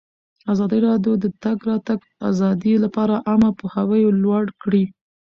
ازادي راډیو د د تګ راتګ ازادي لپاره عامه پوهاوي لوړ کړی.